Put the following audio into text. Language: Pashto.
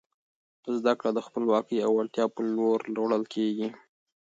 زده کړه د خپلواکۍ او وړتیا په لور وړل کیږي.